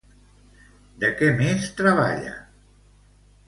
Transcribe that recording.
De què més treballa?